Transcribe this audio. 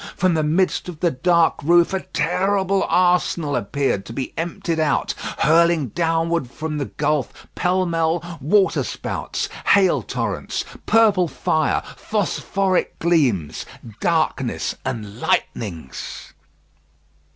From the midst of the dark roof a terrible arsenal appeared to be emptied out, hurling downward from the gulf, pell mell, waterspouts, hail torrents, purple fire, phosphoric gleams, darkness, and lightnings.